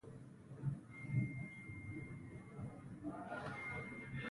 د ملتونو ترمنځ سیالۍ د دوستۍ او سولې فضا رامنځته کوي.